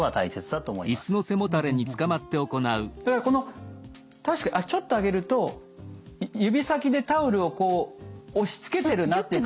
だからこの確かにちょっと上げると指先でタオルをこう押しつけてるなって感覚がありますね。